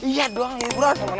iya doang yaudah